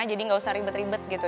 jadi gak usah ribet ribet gitu